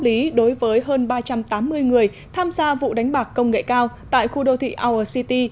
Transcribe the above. lý đối với hơn ba trăm tám mươi người tham gia vụ đánh bạc công nghệ cao tại khu đô thị our city